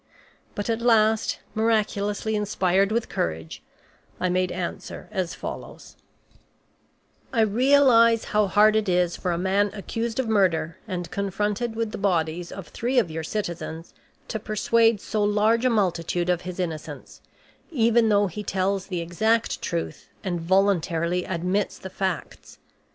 But at last, miraculously inspired with courage, I made answer as follows: "I realize how hard it is for a man accused of murder, and confronted with the bodies of three of your citizens, to persuade so large a multitude of his innocence, even though he tells the exact truth and voluntarily admits the facts.